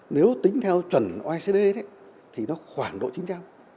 nếu tính theo chuẩn oecd thì nó khoảng độ chính trang